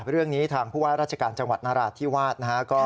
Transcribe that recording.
เรื่องนี้ทางผู้ว่าราชการจังหวัดนราธิวาสนะฮะ